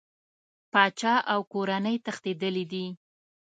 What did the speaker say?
پاچا او کورنۍ تښتېدلي دي.